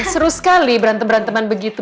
seru sekali berantem beranteman begitu